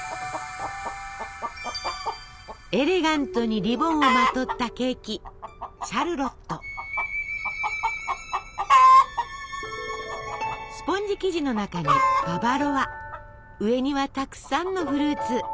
エレガントにリボンをまとったケーキスポンジ生地の中にババロア上にはたくさんのフルーツ。